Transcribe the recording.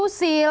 ada juga flucil